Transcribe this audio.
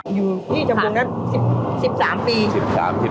อยู่ที่จำบวงนั้น๑๓ปี